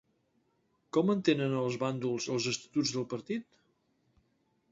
Com entenen els bàndols els estatuts del partit?